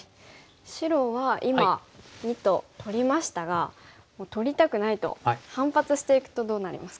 白は今②と取りましたが取りたくないと反発していくとどうなりますか？